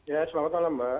ya selamat malam mbak